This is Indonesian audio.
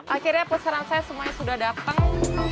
akhirnya pesanan saya semuanya sudah datang